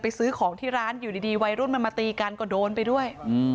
ซื้อของที่ร้านอยู่ดีวัยรุ่นมันมาตีกันก็โดนไปด้วย